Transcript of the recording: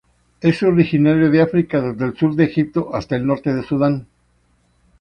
Es originario de África desde el sur de Egipto hasta el norte de Sudán.